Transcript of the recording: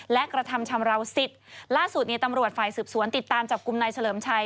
และกระทำชำราวสิทธิ์ล่าสุดเนี่ยตำรวจฝ่ายสืบสวนติดตามจับกลุ่มนายเฉลิมชัย